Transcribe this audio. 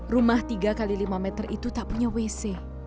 rumah tiga x lima meter itu tak punya wc